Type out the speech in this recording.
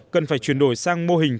cần phải chuyển đổi sang mô hình